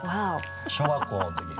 小学校のときに」